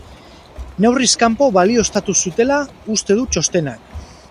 Neurriz kanpo balioztatu zutela uste du txostenak.